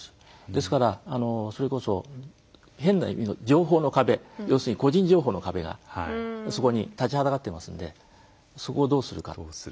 ですからそれこそ変な意味の情報の壁要するに個人情報の壁がそこに立ちはだかっていますのでそこをどうするか。